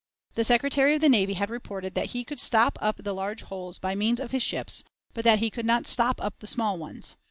The Secretary of the Navy had reported that he could stop up the 'large holes' by means of his ships, but that he could not stop up the 'small ones.'